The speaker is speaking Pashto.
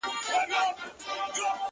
نو د وجود،